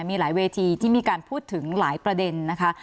มีหลายเวทีที่มีการพูดถึงหลายประเด็นนะคะ